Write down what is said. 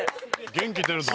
元気出るな。